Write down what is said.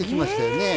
ねえ。